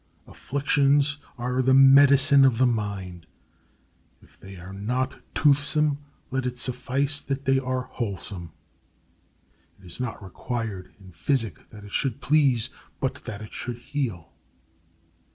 Afflictions are the medicine of the mind. If they are not toothsome, let it suffice that they are wholesome. It is not required in physic that it should please, but that it should heal.